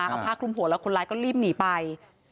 เอาผ้าคลุมหัวแล้วคนร้ายก็รีบหนีไป